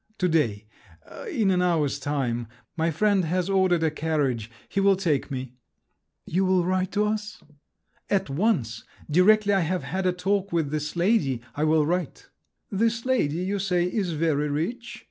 "To day, in an hour's time; my friend has ordered a carriage—he will take me." "You will write to us?" "At once! directly I have had a talk with this lady, I will write." "This lady, you say, is very rich?"